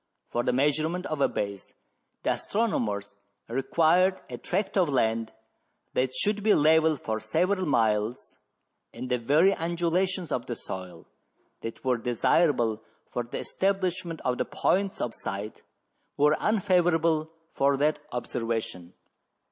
For the measurement of a base the astronomers required a tract of land that should be level for several miles, and the very undulations of the soil that were desirable for the establishment of the points of sight were unfavourable for that observation.